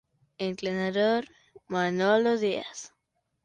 Entrenador: Manolo Díaz